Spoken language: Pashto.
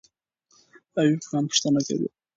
ایوب خان پوښتنه کوي.